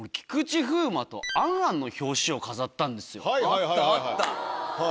あったあった。